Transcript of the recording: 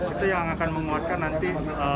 itu yang akan menguatkan nanti